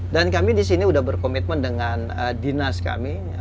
dan kami disini sudah berkomitmen dengan dinas kami